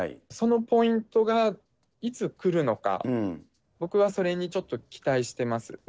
そのポイントがいつ来るのか、僕はそれにちょっと期待してます。